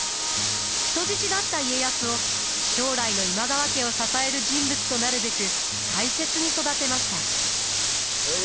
人質だった家康を将来の今川家を支える人物となるべく大切に育てました。